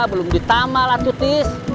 belum ditambah lah tutis